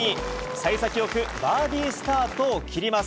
さい先よくバーディースタートを切ります。